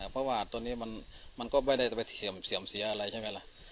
เพราะว่าตัวนี้มันก็ไม่ได้ไปเสื่อมเสียอะไรใช่ไหมล่ะ